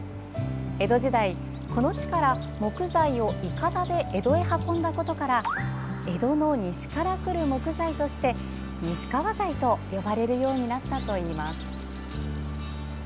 江戸時代、この地から木材をいかだで江戸へ運んだことから江戸の西から来る木材として西川材と呼ばれるようになったといいます。